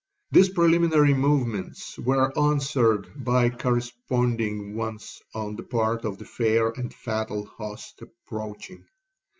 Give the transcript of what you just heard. These preliminary movements were answered by corresponding ones on the part of the fair and fatal host approaching.